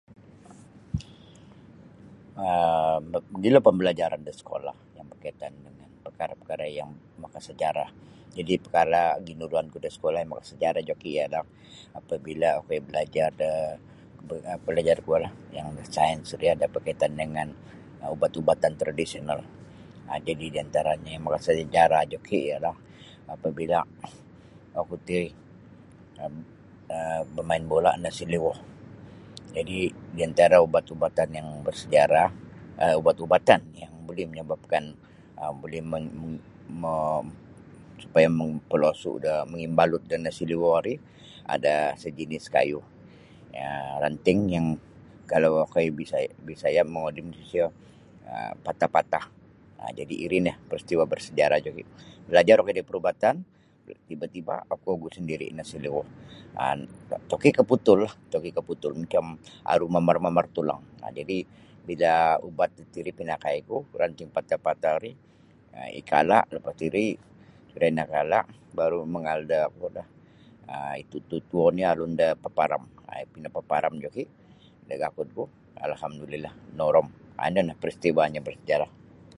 um mogilo pembelajaran da sekolah yang berkaitan perkara-perkara yang makasejarah jadi' perkara ginuruanku da sekolah yang makasejarah joki' ialah apabila' okoi balajar da balajar kuo lah yang sains ri ada berkaitan dengan ubat-ubat tradisional um jadi' di antaranyo makasejarah joki ialah apabila oku ti um bamain bola' nasiliwo jadi diantara ubat-ubatan yang bersejarah um ubat-ubatan yang buli menyebabkan um buli mon mom supaya mompolosu' da mangimbalut da nasiliwo ri ada sejenis kayu yang ranting yang kalau okoi Bisaya mongodim disiyo um patah-patah jadi' iri nio peristiwa bersejarah joki balajar okoi da perubatan tiba-tiba' oku ogu sandiri nasiliwo um toki' kaputullah toki' kaputul macam aru mamar-mamar tulang jadi' bila ubat tatiri pinakaiku ranting patah-patah ri ikala' lapas tiri bila iyo nakala' baru mangaal da kuo lah um itutu oni' alun da paparam napaparam joki' da gakudku alhamdulillah norom um ino nio peristiwanyo bersejarah.